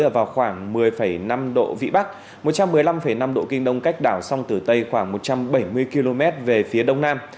ở khoảng một mươi năm độ vĩ bắc một trăm một mươi năm năm độ kinh đông cách đảo sông tử tây khoảng một trăm bảy mươi km về phía đông nam